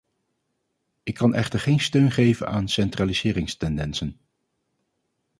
Ik kan echter geen steun geven aan centraliseringstendensen.